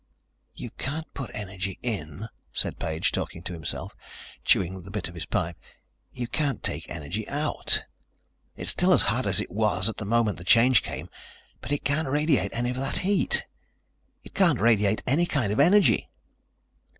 "You can't put energy in," said Page, talking to himself, chewing the bit of his pipe. "You can't take energy out. It's still as hot as it was at the moment the change came. But it can't radiate any of that heat. It can't radiate any kind of energy."